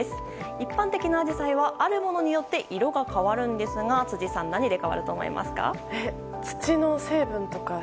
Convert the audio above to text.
一般的なアジサイはあるものによって色が変わるんですが辻さん、何で変わると思いますか？